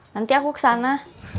nanti aku kesana